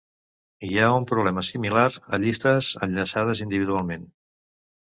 Hi ha un problema similar a llistes enllaçades individualment.